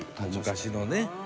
昔のね。